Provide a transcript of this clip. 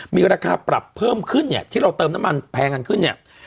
มีราคาปรับเพิ่มขึ้นเนี่ยที่เราเติมน้ำมันแพงกันขึ้นเนี่ย